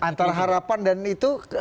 antara harapan dan itu